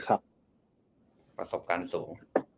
ประสบการณ์สูง